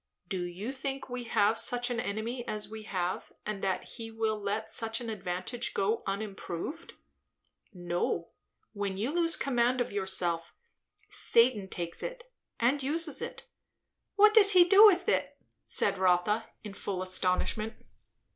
"Do you think we have such an enemy as we have, and that he will let such an advantage go unimproved? No; when you lose command of yourself Satan takes it, and uses it." "What does he do with it?" said Rotha in full astonishment.